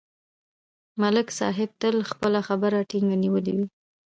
ملک صاحب تل خپله خبره ټینګه نیولې وي